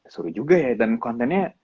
suruh juga ya dan contentnya